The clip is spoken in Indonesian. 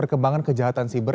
kebanyakan kejahatan siber